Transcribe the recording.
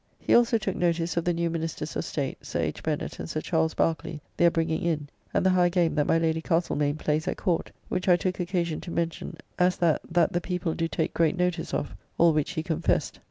He also took notice of the new Ministers of State, Sir H. Bennet and Sir Charles Barkeley, their bringing in, and the high game that my Lady Castlemaine plays at Court (which I took occasion to mention as that that the people do take great notice of), all which he confessed.